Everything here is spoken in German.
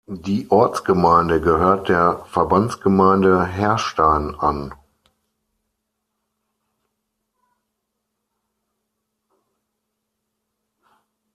Die Ortsgemeinde gehört der Verbandsgemeinde Herrstein an.